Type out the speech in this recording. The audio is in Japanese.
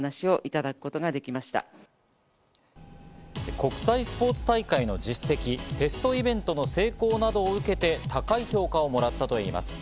国際スポーツ大会の実績、テストイベントの成功などを受けて高い評価をもらったといいます。